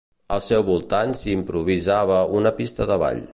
Al seu voltant s’hi improvisava una pista de ball.